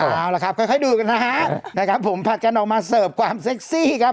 เอาล่ะครับค่อยดูกันนะฮะนะครับผมผัดกันออกมาเสิร์ฟความเซ็กซี่ครับ